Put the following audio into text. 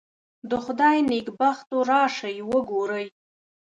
د خدای نېکبختو راشئ وګورئ.